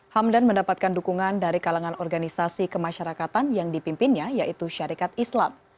hamdan mendapatkan dukungan dari kalangan organisasi kemasyarakatan yang dipimpinnya yaitu syarikat islam